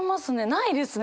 ないですね。